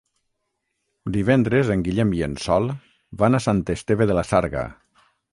Divendres en Guillem i en Sol van a Sant Esteve de la Sarga.